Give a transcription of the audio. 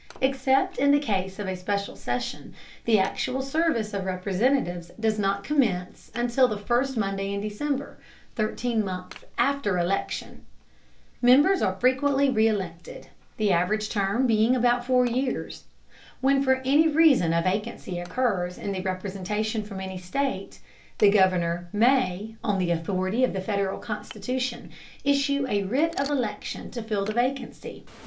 Except in the case of a special session, the actual service of Representatives does not commence until the first Monday in December, thirteen months after election. Members are frequently reŰlected, the average term being about four years. When for any reason a vacancy occurs in the representation from any state, the Governor may, on the authority of the Federal Constitution, issue a writ of election to fill the vacancy.